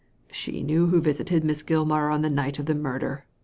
" She knew who visited Miss Gilmar on the night of the murder.